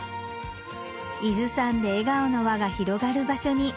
「伊豆山で笑顔の輪が広がる場所に」